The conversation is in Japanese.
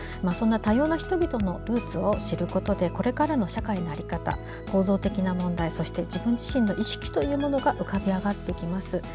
そんな多様な人々のルーツを知ることでこれからの社会の在り方構造的な問題、そして自分自身の意識というものが浮かび上がってきます。